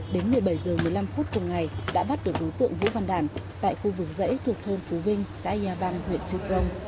đến một mươi bảy h một mươi năm phút cùng ngày đã bắt được đối tượng vũ văn đản tại khu vực rẫy thuộc thôn phú vinh xã yà bang huyện dư brông